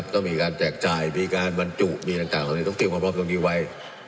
ต้องมีการแจกจ่ายมีการบรรจุมีต่างต้องเกี่ยวกับความพร้อมตรงนี้ไว้